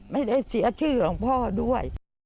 ไม่ได้เสียชื่อของพ่อด้วย